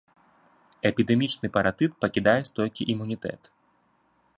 Эпідэмічны паратыт пакідае стойкі імунітэт.